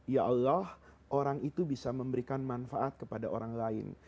ya allah orang itu bisa memberikan manfaat kepada orang lain